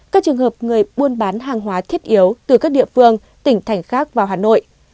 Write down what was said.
các trường hợp người buôn bán hàng hóa thiết yếu từ các địa phương tỉnh thành khác vào hà nội